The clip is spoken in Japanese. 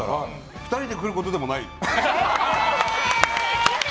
２人で来ることでもないって。